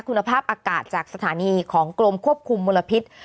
คุณภาพอากาศจากสถานีของกรมควบคุมมลพิษ